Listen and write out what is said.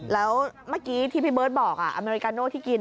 แล้วเมื่อกี้ที่พี่เบิร์ตบอกอเมริกาโน่ที่กิน